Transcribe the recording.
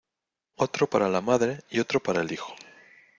otro para la madre y otro para el hijo.